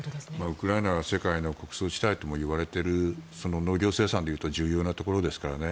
ウクライナが世界の穀物地帯ともいわれている農業生産でいうと重要なところですからね。